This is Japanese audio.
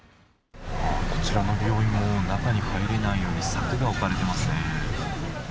こちらの病院も、中に入れないように、柵が置かれてますね。